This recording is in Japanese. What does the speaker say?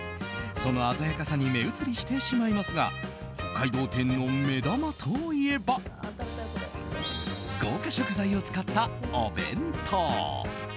その鮮やかさに目移りしてしまいますが北海道展の目玉といえば豪華食材を使ったお弁当。